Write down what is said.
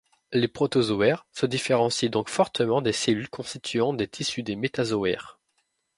Les protozoaires se différencient donc fortement des cellules constituantes des tissus des métazoaires.